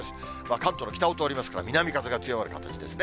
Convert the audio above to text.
関東の北を通りますから、南風が強まる形ですね。